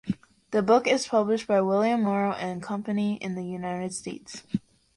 The book is published by William Morrow and Company in the United States.